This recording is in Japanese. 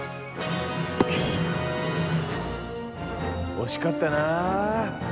惜しかったな！